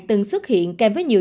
từng xuất hiện kèm với nhiều